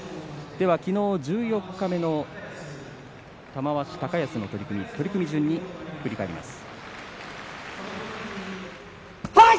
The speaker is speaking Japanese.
昨日、十四日目の玉鷲、高安の取組、取組順に振り返ります。